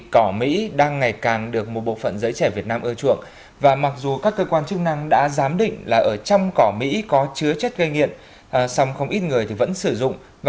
cỏ mỹ đang là một hiểm họa đối với giới trẻ